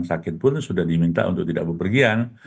sakit pun sudah diminta untuk tidak berpergian